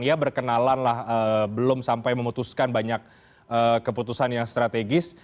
ya berkenalan lah belum sampai memutuskan banyak keputusan yang strategis